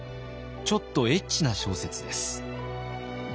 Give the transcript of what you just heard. ちょっとエッチな小説です。